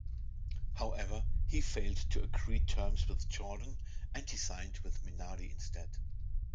However, he failed to agree terms with Jordan, and he signed with Minardi instead.